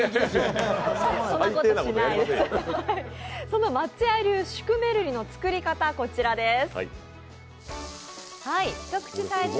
その松屋流シュクメルリの作り方、こちらです。